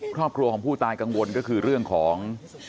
ครอบครัวของผู้ตายกังวลก็คือเรื่องของ